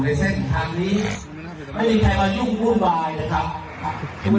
แฮปปี้เบิร์สเจทู